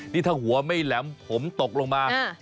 นี่ถ้าหัวไม่แหลมผมตกลงมา